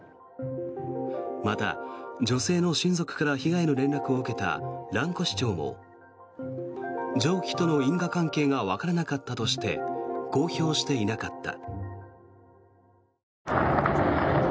また、女性の親族から被害の連絡を受けた蘭越町も蒸気との因果関係がわからなかったとして公表していなかった。